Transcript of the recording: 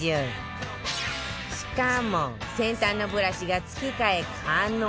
しかも先端のブラシが付け替え可能